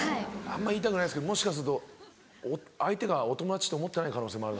あんま言いたくないですけどもしかすると相手がお友達と思ってない可能性もある。